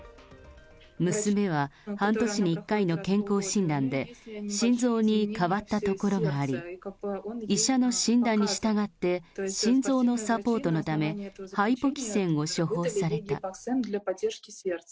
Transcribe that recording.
娘は半年に１回の健康診断で、心臓に変わったところがあり、医者の診断に従って、心臓のサポートのため、ハイポキセンを処方された。